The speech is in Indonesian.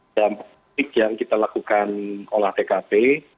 dan yang kita lakukan olah tkp